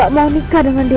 aku gak mau nikah dengan dego